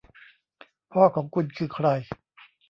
พ่อของคุณคือใคร